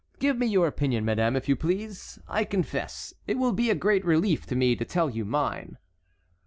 Give me your opinion, madame, if you please. I confess it will be a great relief to me to tell you mine."